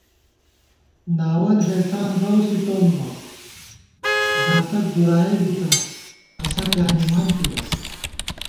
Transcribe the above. ناوَل ہېڄان رَؤ ݪِتون بہ زاتَک دُرائےبِتہ اسہ پیانِمان تِوَہ